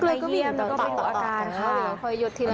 น้ำเกลือก็วิ่งต่อ